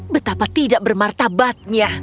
betapa tidak bermartabatnya